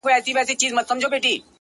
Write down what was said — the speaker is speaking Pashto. هو رشتيا؛